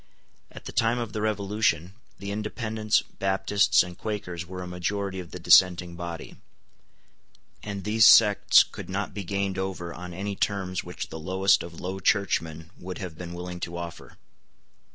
At the time of the Revolution, the Independents, Baptists, and Quakers were a majority of the dissenting body; and these sects could not be gained over on any terms which the lowest of Low Churchmen would have been willing to offer.